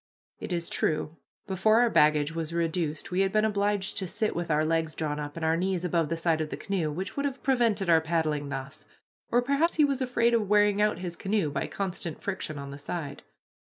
It is true, before our baggage was reduced we had been obliged to sit with our legs drawn up, and our knees above the side of the canoe, which would have prevented our paddling thus, or perhaps he was afraid of wearing out his canoe by constant friction on the side.